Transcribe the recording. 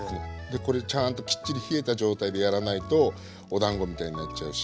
でこれちゃんときっちり冷えた状態でやらないとおだんごみたいになっちゃうし。